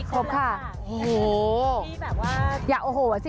ครบค่ะโอ้โหแบบว่าอย่าโอ้โหอ่ะสิ